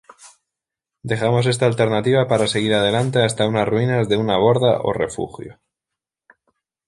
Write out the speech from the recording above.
Dejamos esta alternativa para seguir adelante hasta una ruinas de una borda o refugio.